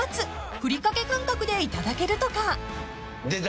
ふりかけ感覚でいただけるとか］出た。